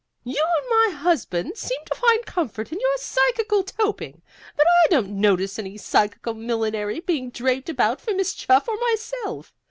You and my husband seem to find comfort in your psychical toping, but I don't notice any psychical millinery being draped about for Miss Chuff or myself.